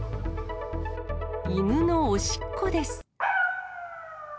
犬のおしっこです。